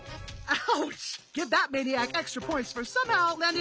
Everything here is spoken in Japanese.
あ！